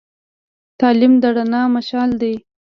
تعلیم د رڼا مشعل دی.